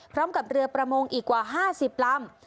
พร้อมกับเรือประมงอีกกว่า๕๐ลำ